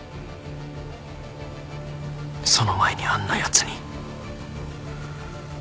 その前にあんなやつに。